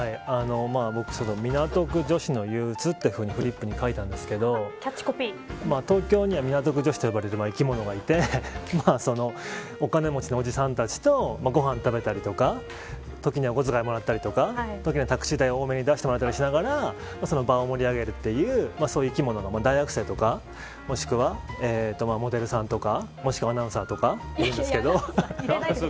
僕、港区女子のゆううつとフリップに書いたんですけど東京には、港区女子と呼ばれる生き物がいてお金持ちのおじさんたちとご飯食べたりとか時にはお小遣いもらったりとか時にはタクシー代を多めに出してもらったりしながら場を盛り上げるという生き物が大学生とかもしくは、モデルさんとかもしくはアナウンサーとかがいるんですけど。